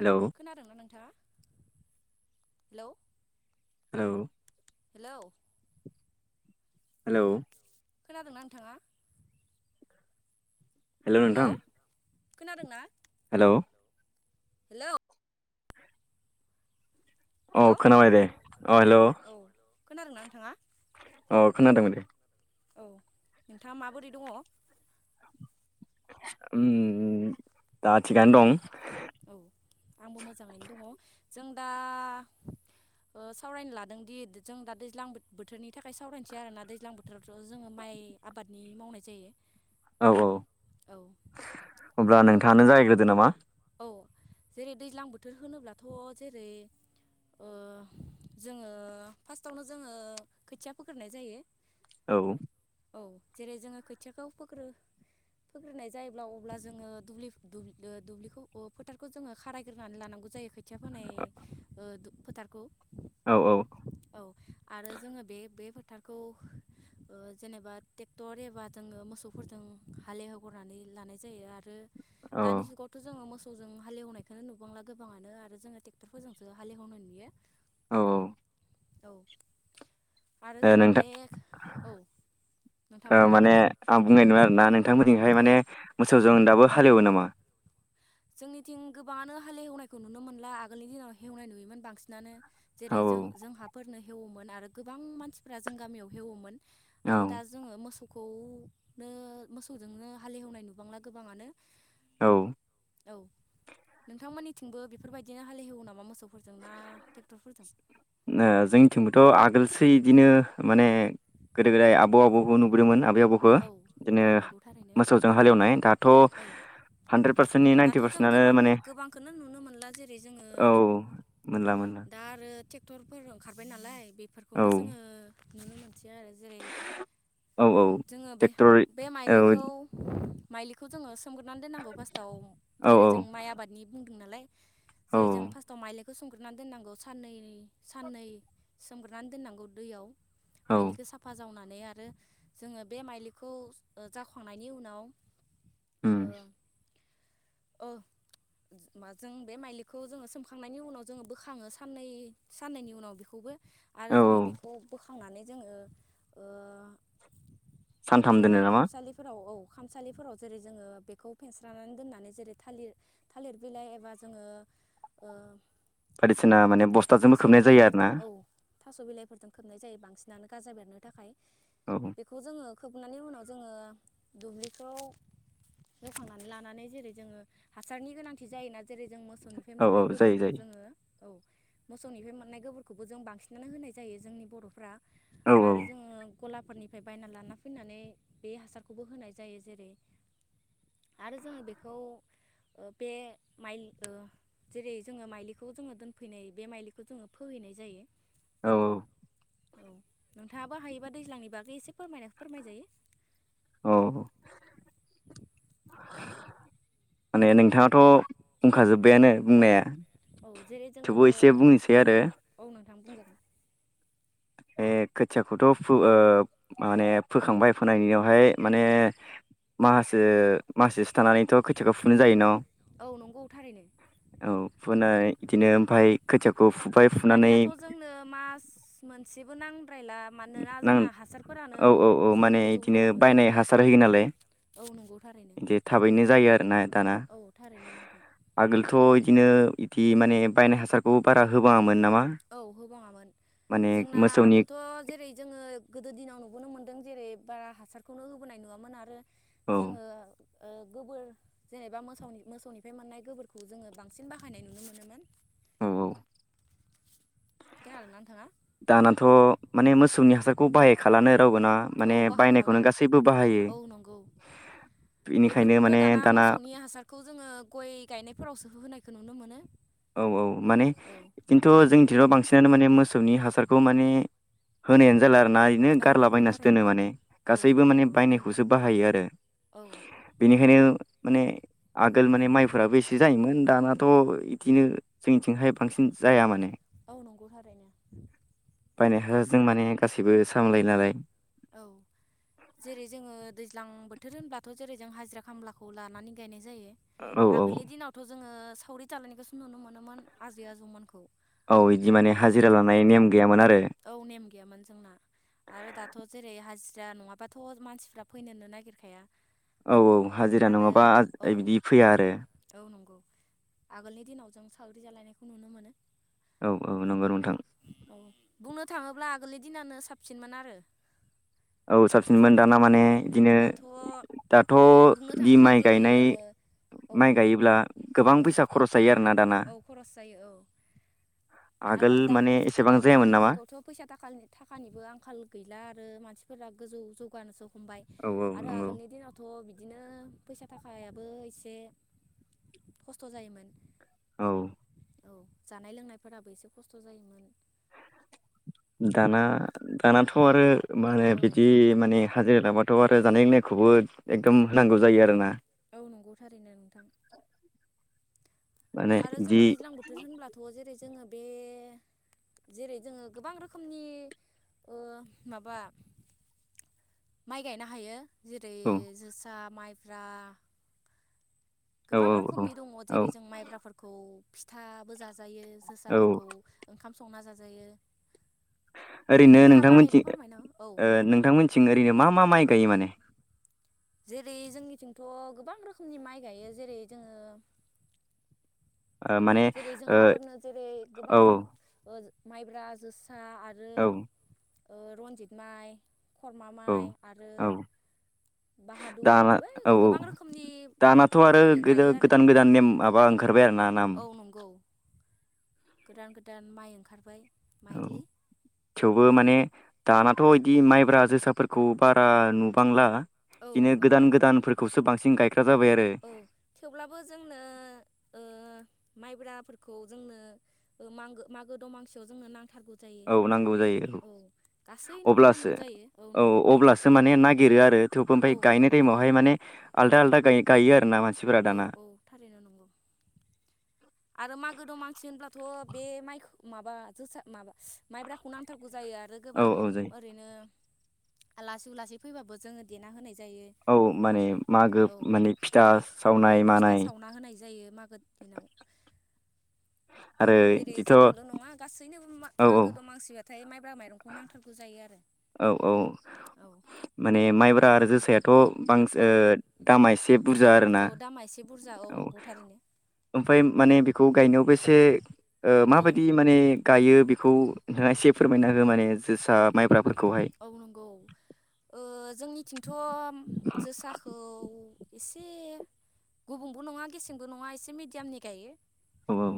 Hello खोनादोंना नोंथाङा hello? Hello? Hello? Hello? खोनादोंना नोंथाङा? हेल' नोंथां? खोनादों ना? हेल'? हेल'? अ हेलौ खोनाबाय दे अ हेल'। खोनादों ना नोंथाङा? अ खोनादोङो दे। औ नोंथाङा माबोरै दङ? ओम दा थिगानो दं। आंबो मोजाङैनो दङ जों दा ओ सावरायनो लादोंदि जों दा दैज्लां बोथोरनि थाखाय सावरायनोसै आरोना, दैज्लां बोथोरावथ' जोङो माइ आबादनि मावनाय जायो। औ औ औ अब्ला नोंथाङानो जागायग्रो दो नामा। औ जेरै दैज्लां बोथोर होनोब्लाथ' जेरै ओ जोङो फार्स्टआवनो जोङो खोथिया फोग्रोनाय जायो। औ। औ जेरै जोङो खोथियाखौ फोग्रो फोग्रोनाय जायोब्ला अब्ला जोङो दुब्लिखौ अ फोथारखौ जोङो खारायग्रोनानै लानांगौ जायो ओ खोथिया फोनाय फोथारखौ औ औ। औ आरो जोङो बे बे फोथारखौ जेनेबा ट्रेक्टर एबा जोङो मोसौफोरजों हालेवग्रोनानै लानाय जायो आरो औ दानि जुगावथ' जोङो मोसौजों हालेवनायखौनो नुबांला गोबाङानो आरो जोङो ट्रेक्टरफोरजोंसो हालेवनाय नुयो। औ ओ औ आरो जोङो नोंथां बे औ ओ नोंथां बुं माने आं बुंनाय नङा आरो ना नोंथां मोननिजोंहाय औ माने मोसौ जों दाबो हालेवो नामा जोंनिथिं गोबाङानो हालेवनायखौ नुनो मोनला आगोलनि दिनाव हेवनाय नुयोमोन बांसिनानो औ जेरै जों जोंहाफोरनो हेव आरो गोबां मानसिफ्रा जों गामियाव एवोमोन औ आरो दा जोङो मोसौ खौनो मोसौजोंनो हालेवनाय नुबांला गोबाङानो औ औ नोंथांमोननिथिंबो बेफोरबायदिनो हाल ऐववौ नामा मोसौखौ ओ जोंनिथिंबोथ' आगोलसै इदिनो माने गोदो गोदाय आबौ आबौ नुबोदोंमोन आं बेयावबखौ औ औ बिदिनो नंगौ थारैनो मोसौजों हालेवनाय दाथ' औ हानद्रेद पारसेन्टनि दाथ' नाइन्टि जों पारसेन्टनो गोबां माने गोबांखौनो नुनो मोनला जेरै जोङो औ मोनला मोनला टेक्टरफोर ओंखारबाय नालाय औ बेफोरखौनो जोङो [unintelligible] औ औ [unintelligible] जोङो बे ट्रेक्टर बे औ माइलिखौ माइलिखौ जोङो सो गोनानै दोननांगौ फासथ आव औ जेरै जों माइ आबादनि बुं बुं नालाय औ जेरै जों फार्स्टआव माइ होसोमग्रोनानै दोननांगौ साननै साननै सोमग्रोनानै दोननांगौ दैयाव माइलिखौ साफा जावना नै आरो जोङो बे माइलिखौ जावखांनायनि उनाव उम ओ ओ माजों बे माइलिखौ जोङो सोमखांनायनि उनाव जोङो बोखाङो साननै साननैनि उनाव बेखौबो आरो औ औ जोङो बेखौ बोख नानै जोङो सानथाम जेरै दोनो नामा खामसालिफोराव औ खामसालिफोराव जेरै जोङो बेखौ फेेनस्रानानै दोननानै जेरै थालिर थालिर बिलाइ एबा जोङो ओ बायदिसिना माने बस्थाजोंबो थास' खोबनाय जायो आरो ना बिलाइफोरजों औ थास' बिलाइफोरजों खोबनाय जायो बां सिनानो गाजा बेरनो थाखाय औ बेखौ जोङो खोबनायनि उनाव जोङो दुब्लिखौ बोखांनानै लानानै जेरै जोङो हासारनि गोनांथि जायोना जेरै जों मो सौनिफ्राय औ मोननाय औ जायो गोबोरखौ जायो जोङो औ मोसौनिफ्राय मोननाय गोबोरखौबो जों बांसिनानो होनाय जायो जोंनि बर'फ्रा औ आरो जोङो गलाफोरनि फ्राय बायना लाना फैनानै बे हासारखौबो होनाय जायो जेरै आरो जोङो बेखौ ओ बे मायलि ओ जेरै जोङो माइलिखौ जोङो दोनफैनाय बे माइलिखौ जोङो फोहैनाय जायो औ औ औ नोंथाङाबो हायोबा दैज्लांनि बाग गै एसे फोरमायना फोरमायजायो औ माने नोंथाङाथ बुंखाजोब बायानो औ बुंनाया औ जेरै थेवबो एसे बुंनिसै आरो थां बुंजागोन बे खोथियाखौथ फु ओ माने फोखांबाय फोनायनियावहाय माने माहासो मासे थानानैथ खोथियाखौ फुनो जायो न' औ नंगौ थारैनो औ फुनै इदिनो ओमफाय खोथिया दानियाथ' जोंनो मास मोन सेबो नां द्रायला मानोना नां जोंना हासारफोरानो औ जौ माने गोजौ बिदिनो खालामो बायनाय हासार औ होयो नालाय औ नंगौ थारैनो बिदि थाबैनो जायो आरोना दाना औ थारैनो नोंथां आगोलथ' इदि दिनो इदि माने बायनाय हासारखौ बारा होबाङामोन ना औ होबाङामोन जोंना मोसौनि आगोलथ' जेरै जोङो गोदो दिनाव नुबोनो मोनदों जेरै बारा हासारखौनो होबोनाय नुवामोन आरो औ जोङो ओ गोबोर जेनेबा मोसाव मोसौनिफ्राय मोननाय गोबोरखौ जोङो बांसिन बाहायनाय नुनो मोनोमोन औ औ [unintelligible] थाङा दानाथ' माने मोसौनि हासारखौ बाहायखालानो रावबो ना औ माने बाहाय खाला बायनायखौनो गासैबो बाहायो औ नंगौ बेनिखायनो बेफोरखौथ' माने दाना मोसौनि हासारखौ जोङो गय गायनायफोरावसो होनाय खौ नुनो मोनो औ औ माने औ खिन्थु जोंनिथिंथ बांसिनानो माने मोसौनि हासारखौ माने होनायानो जाला आरो ना ओरैनो औ गारला नंगौ बायनासो दोनो थारैनो माने औ गासैबो माने नंगौ थारैनो बायनायखौसो बाहायो आरो औ बेनिखायनो माने आगोल माने माइफोराबो एसे जायोमोन। दानाथ' बिदिनो जोंनिथिंहाय बांसिन जाया माने। औ नंगौ थारैनो। बायनाय हासाजों माने गाससिबो सामलाय नालाय। औ जेरै जोङो दैज्लां बोथोर होनबाथ' जेरै जों हाजिरा खामलाखौ लानानै गायनाय जायो औ औ आगोलनि दिनावथ' जोङो सावरि जालायनायखौसो नुनो मोनोमोन आजै आजैमोनखौ। औ इदि माने हाजिरा लानाय नेम गैयामोन आरो। औ नेम गैयामोन जोंना आरो दाथ' जेरै हाजिरा नङाबाथ' मानसिफ्रा फैनोनो नागिरखाया। औ औ हाजिरा आरो नङाबा औ बिदि फैया आरो। औ नंगौ आगोलनि दिनाव जों सावरि जालायनायखौ नुनो मोनोमोन। औ औ नंगौ। औ बुंनो थाङोब्ला आगोलनि दिनानो साबसिनमोन आरो औ साबसिनमोन दाना माने औ बिदिनो दाथ' दाथ' बुंनो बि थाङोब्ला माइ जेरै गायनाय ओ औ माइ नंगौ गायोब्ला गोबां औ फैसा खरस जायो आरोना दाना। औ खरस जायो औ आरो आगोल माने दानि एसेबां दानि जायामोन नामा जुगावथ' फैसा थाखालनि थाखानिबो आंखाल गैला आरो मानसिफोरा। गोजौ जौगानो हमबाय औ औ आरो नंगौ आगोलनि दिनावथ' दिनो फैसा थाखायाबो एसे खस्थ' जायोमोन। औ औ जानाय लोंनाय फोराबो एसे खस्थ' जायोमोन। दाना दानाथ' आरो मा होनो औ बिदि माने हा लाबाथ' आरो जानाय लोंनायखौबो एकदम होनांगौ जायो आरोना। औ नंगौ थारैनो नोंथां। माने आरो जोङो बिदि दैज्लां बोथोर होनब्लाथ' जेरै जोङो बे जेरै जोङो गोबां रोखोमनि ओ माबा माइ गायनो हायो। जेरै औ जोसा माइ ब्रा औ गोबां रोखोमनि दङ' औ जेरै जों माइब्राफोरखौ फिथाबो जा जाजायो औ जोसाफोरखौ ओंखाम संना जाजायो। ओरैनो नोंथाङा बाहायबा नोंथांमोनथि फोरमायना औ ओ नोंथां नोंथांमोनथिं ओरैनो मा मा माइ गायो माने? जेरै जोंनिथिंथ' गोबां रोखोमनि माइ गायो जेरै जोङो ओ माने जेरै ओ जोंहाफोरनो जेरै गोबां औ ओ माइब्रा जो औ ओ रनजित माइ खरमा औ माइ आरो औ बाहादुर दाना बै औ औ गोबां रोखोमनि दानाथ' आरो ओ गोदो गायो आरो गोदान गोदान नेम माबा ओंखारबाय आरोना। नाम औ नंगौ गोदान गो दान माइ ओंखारबाय औ माइलि थेवबो माने दानाथ' इदि माइब्रा जोसाफोरखौ बारा नुबांला औ इदिनो गोदान नुबांला गोदानफोरखौसो बां सिंन गाय औ थेवब्लाबो जोंनो ओ माइब्राफोरखौ जोंनो ओ मांगो मागो दमांसियाव जोंनो नां औ नांगौ जायो औ गासैनोबो अब्लासो नांगौ जायो औ नंगौ अब्लासो माने नागिरो आरो थेवबो ओमफ्राय औ गायनाय नंगौ टाइमावहाय थारैनो माने आलदा आलदा गाय गाय आरो ना मा। औ औ थारैनो नंगौ आरो मागो दंमानसि होनब्लाथ' बे माइखौ। माबा जोसा माबा माइब्राखौ नांथारग। नांगौ जायो आरो औ गोबां औ जायो ओरैनो। आ लासै उ लासै फैबाबो जोङो देना होनाय। जायो औ माने मागो औ माने फिथा। औ सावनाय फिथा मानाय सावना होनाय जायो। बेयो मागोद। दिनाव। आरो जेरै बिदिथ' जोंनोल' औ नङा गासैनोबो मा। औ मागो दंमांसिआ। थाय माइ। बा माइरंखौ नांथारगौ जायो आरो। औ औ माने माइब्रा आरो। जोसाया। थ' बांस औ ओ दामा एसे बुरजा आरोना औ दामा एसे बुरजा औ ओम। नंगौ थारैनो ओमफाय माने बेखौ गायनायावबो एसे ओ औ माबायदि माने गायो बेखौ नोंथाङा एसे फोरमायना हो माने जोसा माइब्राफोर औ नंगौ ओ जोंनि खिन्थ जोसाखौ एसे गुबुंबो नङा गेसेंबो नङा एसे मिडियामनि गायो औ औ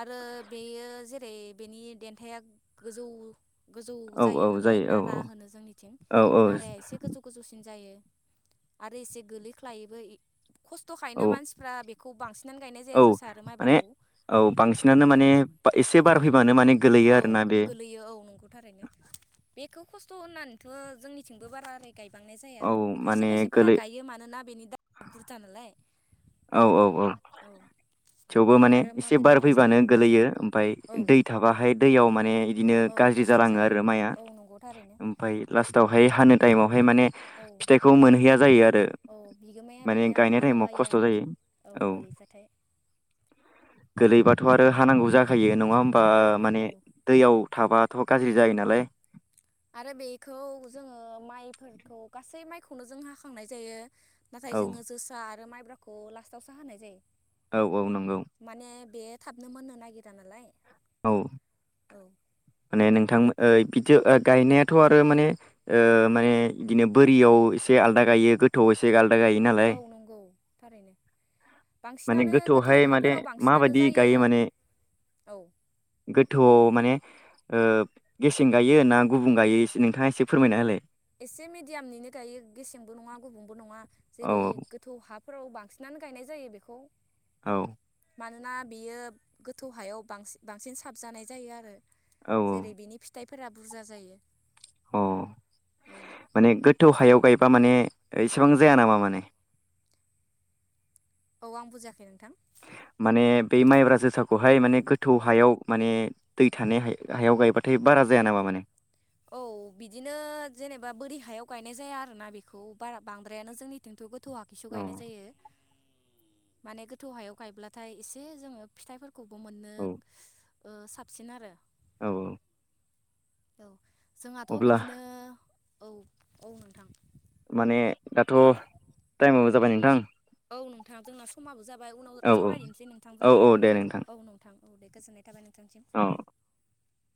आरो बेयो जेरै बेनि देन्थाया गोजौ गोजौ जायो औ औ नालाय नारा औ होनो जोंनिथिं औ औ नाराया एसे गोजौ गोजौसिन जायो आरो एसे गोलैख्लायबो खस्थखायनो औ मानसिफ्रा बे खौ बांसि औ माने औ बांसिनानो औ माने एसे बार फैबानो माने गोलैयो आरोना बे खायनो बेखौ खस्थ होननानैथ जोंनिथिंबो बारा ओरै गायबांनाय जाया औ खायसे माने खायसेफोरा गोलै गायो मानोना बेनि दा बुरजा नालाय औ औ औ थेवबो माने आरो एसे मागो बार दमासिबा फैबानो फाननाय गोलैयो जायो ओमफाय औ दै थाबाहाय दैयाव माने इदिनो औ गाज्रि खस्थ' जालाङो जायो आरो माया औ नंगौ थारैनो ओमफाय लास्ट आवहाय नाय टायेमाव बेहाय माने औ फिथाइखौ मोनहैया जायो आरो औ बिगोमाया माने बेनिया गायनाय हानो टाइमाव बायो खस्थ' आरो जायो औ गोलैबाथाय गोलैबाथ आरो हानांगौ जाखायो नङा होमबा औ माने नंगौ दैयाव थाबाथ गाज्रि जायो नालाय आरो बेखौ जोङो माइफोरखौ गासै माइ खौनो जों हाखांनाय जायो नाथाय औ जोङो जोसा आरो माइ ब्राखौ लास्थावसो हानाय जायो औ औ नंगौ माने बे थाबनो मोननो नागिरा नालाय औ औ माने नोंथांमोन [unintelligible] गायनायाथ' आरो माने ओ माने इदिनो बोरियाव एसे आलदा गायो गोथौआव एसे आ [unintelligible] गायो नालाय। औ नंगौ थारैनो। माने बांसिनानो गोथौ गोथौआवहाय माने हाफोराव बांसिनानो माबायदि जायो गायो माने औ गोथौ माने ओ गेसें गायो ना गुबुं गायो एसे नोंथाङा एसे फोरमायना होलाय। एसे मिडियामनिनो गायो गेसेंबो नङा गुबुंबो नङा औ जेरै गोथौ हाब फोराव बांसिनानो गायनाय जायो बेखौ। औ। मानोना बियो गोथौ हायाव बांसिन बांसिन साबजानाय जायो आरो। औ जेरै बिनि फिथाइ फोरा बुरजा जायो। अ। औ माने गोथौ हायाव। गायबा माने इसेबां जाया नामा माने औ आं बुजियाखै माने बे माइब्रा जोसाखौहाय माने गोथौ हायाव माने दै थानाय हायाव गायबाथाय बारा जाया नामा माने औ बिदिनो जेनेबा बोरि हायाव गायनाय जाया आरोोना बेखौ बारा बांद्रायानो जोंनिथिंथ' गो थौ आखिसु औ गायनाय जायो। माने गोथौ हायाव गायब्लाथाय एसे जोङो फिथाइफोरखौ खौबो मोनो। साबसिन आरो औ औ औ जोंहाथ' अब्ला बिदिनो औ औ नोंथां माने दाथ' टाइमावो जाबाय नोंथां। औ नोंथाङा जोंना समाबो जाबाय उनाव औ सावरायदिसै नोंथांजों औ औ दे औ नोंथां औ दे गोजोननाय थाबाय न औ [unintelligible]